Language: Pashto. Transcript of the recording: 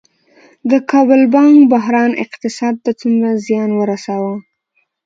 د کابل بانک بحران اقتصاد ته څومره زیان ورساوه؟